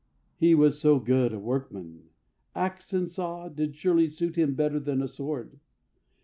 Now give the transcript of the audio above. He was so good a workman ... axe and saw Did surely suit him better than a sword.